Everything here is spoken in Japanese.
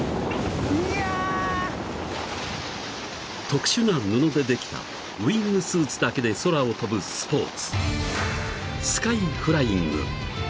［特殊な布でできたウイングスーツだけで空を飛ぶスポーツ］